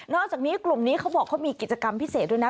อกจากนี้กลุ่มนี้เขาบอกเขามีกิจกรรมพิเศษด้วยนะ